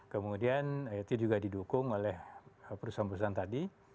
kemudian it juga didukung oleh perusahaan perusahaan tadi